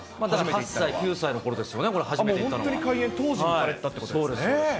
８歳、９歳のころですよね、本当に開園当時に行かれてたってことですね。